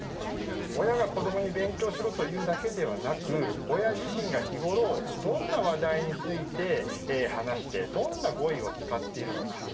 親が子どもに勉強しろと言うだけでなく、親自身が日頃、どんな話題について話してどんな語彙を使っているのか。